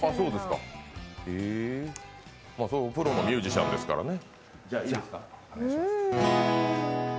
プロのミュージシャンですからね。